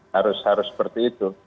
harus seperti itu